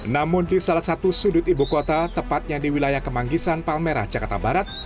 namun di salah satu sudut ibu kota tepatnya di wilayah kemanggisan palmerah jakarta barat